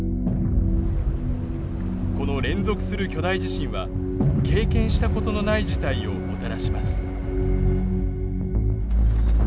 この連続する巨大地震は経験したことのない事態をもたらします。